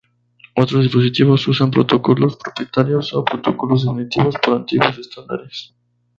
Otros dispositivos usan protocolos propietarios o protocolos definidos por antiguos estándares.